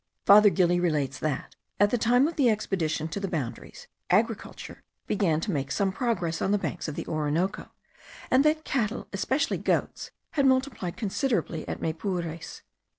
Father Gili relates that, at the time of the expedition to the boundaries, agriculture began to make some progress on the banks of the Orinoco; and that cattle, especially goats, had multiplied considerably at Maypures.